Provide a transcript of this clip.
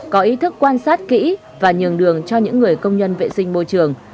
có ý thức quan sát kỹ và nhường đường cho những người công nhân vệ sinh môi trường